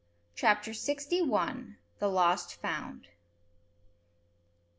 CHAPTER SIXTY ONE. THE LOST FOUND.